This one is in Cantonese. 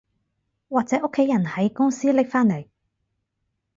或者屋企人喺公司拎返嚟